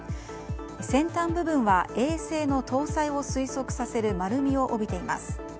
先端部分は衛星の搭載を推測させる丸みを帯びています。